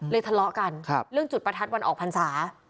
ทะเลาะกันเรื่องจุดประทัดวันออกพรรษา